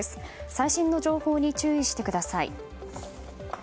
最新の情報に注意してください。